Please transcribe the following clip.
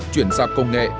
chuyển sang công nghệ